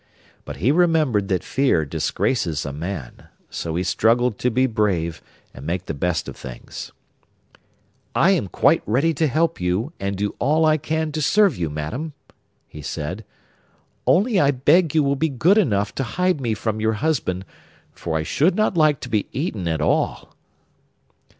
But he remembered that fear disgraces a man; so he struggled to be brave and make the best of things. 'I am quite ready to help you, and do all I can to serve you, madam,' he said, 'only I beg you will be good enough to hide me from your husband, for I should not like to be eaten at all.